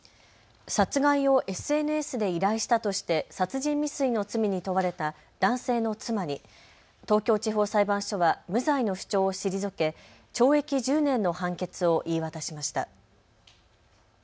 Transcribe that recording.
殺害をＳＮＳで依頼したとして殺人未遂の罪に問われた男性の妻に東京地方裁判所は無罪の主張を退け懲役１０年の判決を言い渡しました。